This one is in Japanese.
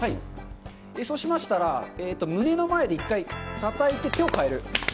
そうしましたら、胸の前で一回たたいて、手をかえる。